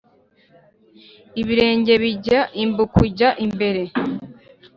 Ibirenge bijya imbu kujya imbere.